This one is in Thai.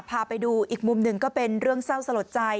พาไปดูอีกมุมหนึ่งก็เป็นเรื่องเศร้าสลดใจ